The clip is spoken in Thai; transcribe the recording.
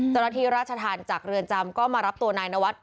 เจ้าหน้าที่ราชธรรมจากเรือนจำก็มารับตัวนายนวัด